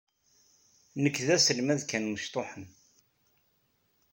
Nekk d aselmad kan mecṭuḥen.